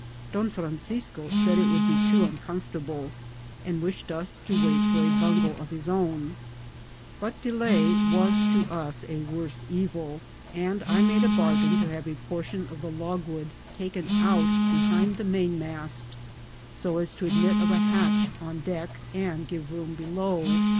Don Francisco said it would be too uncom fortable, and wished us to wait for a bungo of his own ; but delay was to us a worse evil, and I made a bargain to have a portion of the logwood taken out behind the mainmast, so as to admit of a hatch on deck, and give room below.